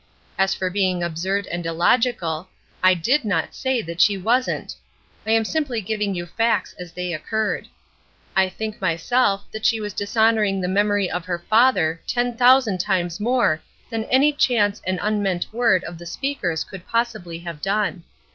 As for being absurd and illogical, I did not say that she wasn't. I am simply giving you facts as they occurred. I think myself that she was dishonoring the memory of her father ten thousand times more than any chance and unmeant word of the speakers could possibly have done.